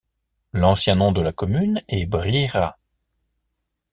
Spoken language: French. L'ancien nom de la commune est Briera.